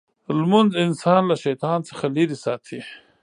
لمونځ انسان له شیطان څخه لرې ساتي.